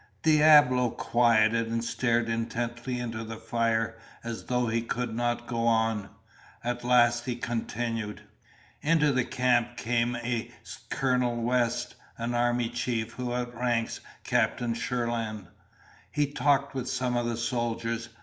Diablo quieted and stared intently into the fire, as though he could not go on. At last he continued. "Into the camp came a Colonel West, an Army chief who outranks Captain Shirland. He talked with some of the soldiers.